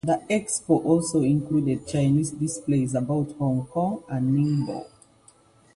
The Expo also included Chinese displays about Hong Kong and Ningbo.